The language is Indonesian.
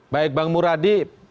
baik bang muradi